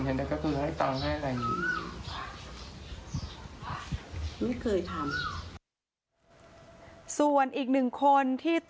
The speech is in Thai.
อ๋อเขาก็ให้ตังค์อย่างนี้